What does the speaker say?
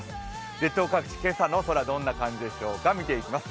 列島各地、空どんな感じでしょうか見ていきます。